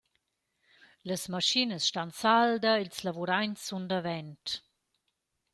Las maschinas stan salda, ils lavuraints sun davent.